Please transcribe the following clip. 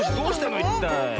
いったい。